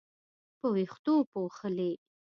په وېښتو پوښلې